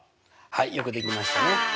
はいよくできましたね。